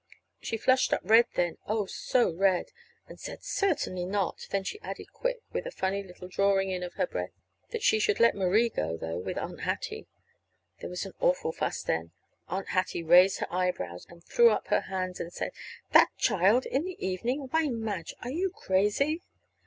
She flushed up red then, oh, so red! and said, "Certainly not." Then she added quick, with a funny little drawing in of her breath, that she should let Marie go, though, with her Aunt Hattie. There was an awful fuss then. Aunt Hattie raised her eyebrows and threw up her hands, and said: "That child in the evening! Why, Madge, are you crazy?"